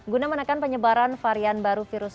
guna menekan penyebaran varian baru virus